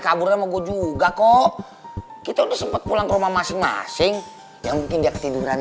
kabur sama gue juga kok kita udah sempat pulang ke rumah masing masing ya mungkin dia ketiduran